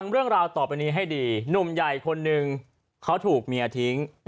เรื่องราวต่อไปนี้ให้ดีหนุ่มใหญ่คนนึงเขาถูกเมียทิ้ง